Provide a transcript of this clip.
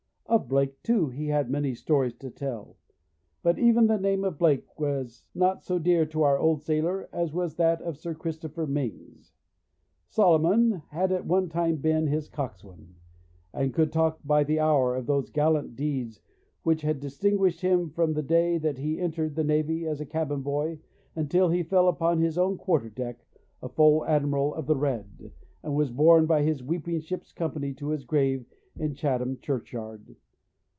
Of Blake, too, he had many stories to tell. But even the name of Blake was not so dear to our old sailor as was that of Sir Christopher Mings. Solomon had at one time been his coxswain, and could talk by the hour of those gallant deeds which had distinguished him from the day that he entered the navy as a cabin boy until he fell upon his own quarter deck, a full admiral of the red, and was borne by his weeping ship's company to his grave in Chatham churchyard.